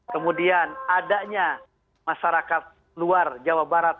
kemudian adanya masyarakat luar jawa barat